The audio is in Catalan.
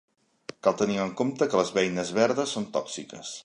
Cal tenir en compte que les beines verdes són tòxiques.